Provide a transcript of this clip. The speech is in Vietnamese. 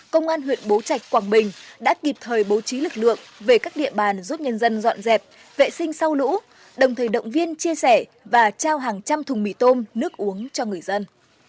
công an huyện bố trạch quảng bình đã kịp thời bố trí lực lượng về các địa bàn giúp nhân dân dọn dẹp vệ sinh sau lũ đồng thời động viên chia sẻ và trao hàng trăm thùng mì tôm nước uống cho người dân